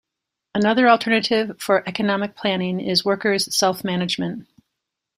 Another alternative for economic planning is workers' self-management.